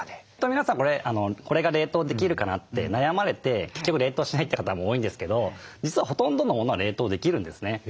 皆さんこれが冷凍できるかなって悩まれて結局冷凍しないって方も多いんですけど実はほとんどのものは冷凍できるんですね。